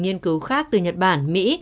nghiên cứu khác từ nhật bản mỹ